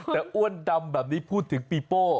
แต่อ้วนดำแบบนี้พูดถึงปีโป้